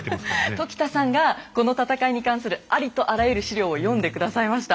時田さんがこの戦いに関するありとあらゆる史料を読んで下さいました。